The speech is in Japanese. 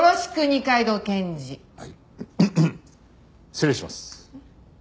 失礼します。